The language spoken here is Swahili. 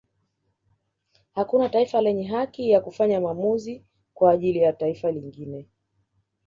Hakuna taifa lenye haki ya kufanya maamuzi kwa ajili ya taifa jingine